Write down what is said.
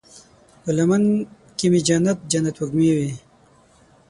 په لمن کې مې جنت، جنت وږمې وی